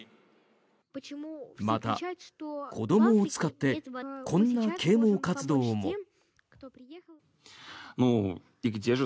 また、子どもを使ってこんな啓もう活動も。